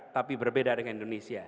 tapi berbeda dengan indonesia